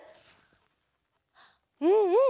うんうん。